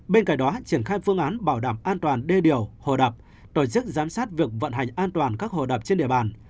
bên cạnh đó triển khai phương án bảo đảm an toàn đê điều hồ đập tổ chức giám sát việc vận hành an toàn các hồ đập trên địa bàn